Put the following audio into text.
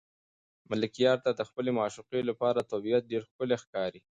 ملکیار ته د خپلې معشوقې لپاره طبیعت ډېر ښکلی ښکاري.